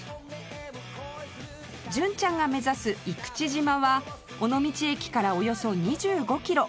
純ちゃんが目指す生口島は尾道駅からおよそ２５キロ